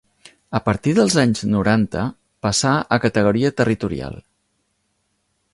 A partir dels anys noranta passà a categoria territorial.